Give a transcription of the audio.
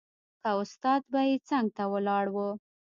که استاد به يې څنګ ته ولاړ و.